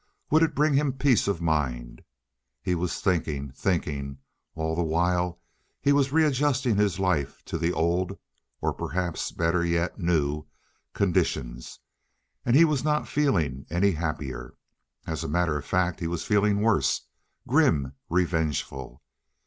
Would it bring him peace of mind? He was thinking, thinking, all the while he was readjusting his life to the old (or perhaps better yet, new) conditions, and he was not feeling any happier. As a matter of fact he was feeling worse—grim, revengeful.